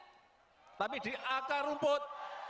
bukan di elit tapi di akar rumput